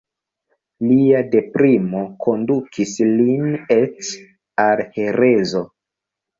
Lia deprimo kondukis lin eĉ al herezo.